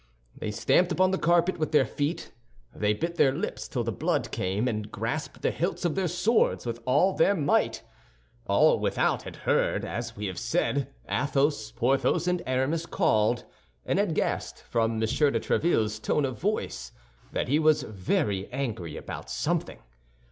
They stamped upon the carpet with their feet; they bit their lips till the blood came, and grasped the hilts of their swords with all their might. All without had heard, as we have said, Athos, Porthos, and Aramis called, and had guessed, from M. de Tréville's tone of voice, that he was very angry about something.